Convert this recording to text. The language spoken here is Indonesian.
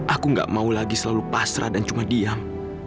aku gak mau lagi selalu pasrah dan cuma diam